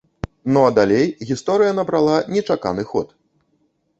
Ну а далей гісторыя набрала нечаканы ход.